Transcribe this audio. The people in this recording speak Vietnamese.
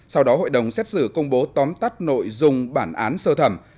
sau đó hội đồng xét xử công bố tóm tắt nội dung bản án sơ thẩm